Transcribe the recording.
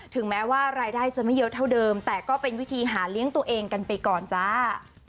ถึงแม้ว่ารายได้จะไม่เยอะเท่าเดิมแต่ก็เป็นวิธีหาเลี้ยงตัวเองกันไปก่อนจ้า